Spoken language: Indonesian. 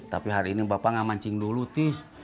tapi hari ini bapak gak mancing dulu tis